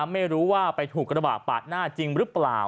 ไม่รู้ว่าไปถูกกระบะปาดหน้าจริงหรือเปล่า